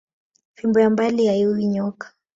Fimbo ya mbali hayiuwi nyoka